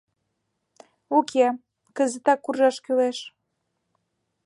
Уке, кызытак куржаш кӱлеш!